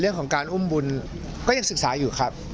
เรื่องของการอุ้มบุญก็ยังศึกษาอยู่ครับ